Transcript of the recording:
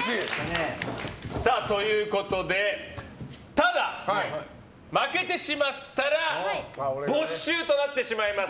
ただ、負けてしまったら没収となってしまいます。